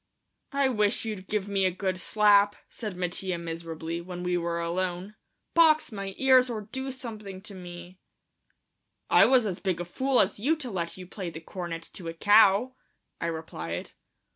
"I wish you'd give me a good slap," said Mattia miserably, when we were alone; "box my ears or do something to me." "I was as big a fool as you to let you play the cornet to a cow," I replied.